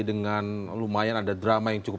dengan lumayan ada drama yang cukup